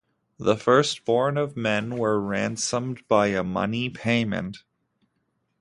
The firstborn of men were ransomed by a money payment.